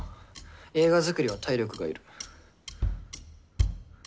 映画作りは体力がいる。